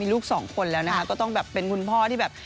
ลูกสองคนแล้วนะคะก็ต้องแบบเป็นคุณพ่อที่แบบ